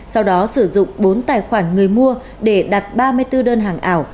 sau đó sử dụng bốn tài khoản người mua để đặt ba mươi bốn đơn hàng ảo